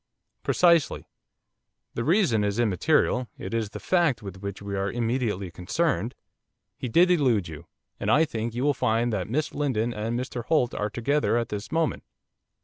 'Precisely; the reason is immaterial, it is the fact with which we are immediately concerned. He did elude you. And I think you will find that Miss Lindon and Mr Holt are together at this moment.